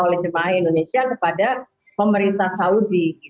oleh jemaah indonesia kepada pemerintah saudi